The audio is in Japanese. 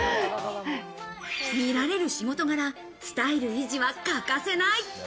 見られる仕事柄、スタイル維持は欠かせない。